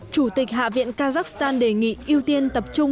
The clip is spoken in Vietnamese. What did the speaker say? chủ tịch hạ viện kazakhstan đề nghị ưu tiên tập trung